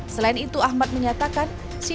selain itu ahmad menyatakan